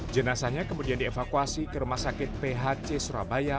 jenasanya kemudian dievakuasi ke rumah sakit phc surabaya